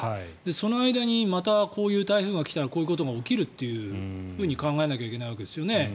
その間にまたこういう台風が来たらこういうことが起きると考えなきゃいけないわけですよね